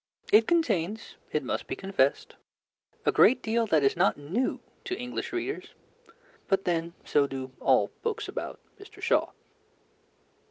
It contains, it must be confessed, a great deal that is not new to English readers, but then so do all books about Mr. Shaw.